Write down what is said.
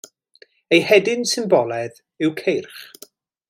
Ei hedyn symbolaidd yw ceirch.